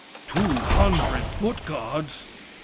Two hundred foot guards!